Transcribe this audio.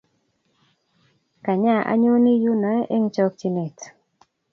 Kanya anyoni yunoe eng' chokchinet